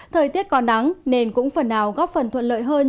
thời tiết có nắng nên cũng phần nào góp phần thuận lợi hơn